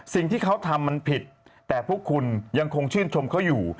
สิ่งที่เขาทำมันผิดแต่พวกคุณยังคงชื่นชมเขาอยู่